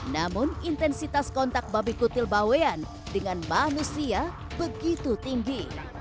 namun intensitas kontak babi kutil bawean dengan manusia begitu tinggi